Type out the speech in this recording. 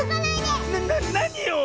ななによ